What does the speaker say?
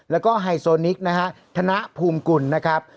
แล้วก็ไฮโซนิกนะฮะธนภูมิกุลนะครับ